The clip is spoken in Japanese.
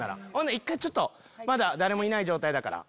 １回ちょっとまだ誰もいない状態だから。